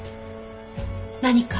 何か？